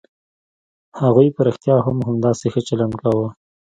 هغوی په رښتيا هم همداسې ښه چلند کاوه.